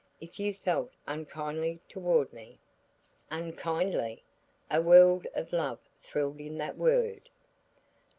If you felt unkindly toward me " "Unkindly?" A world of love thrilled in that word.